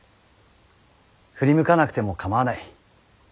振り向かなくても構わない。